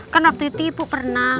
kan waktu itu ibu pernah